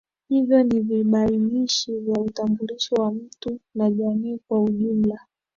Hivyo ni vibainishi vya utambulisho wa mtu na jamii kwa ujumla